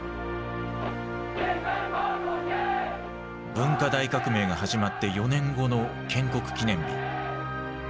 文化大革命が始まって４年後の建国記念日。